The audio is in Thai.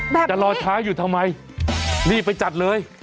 เฮ่ยจะรอยท้ายอยู่ทำไมรีบไปจัดเลย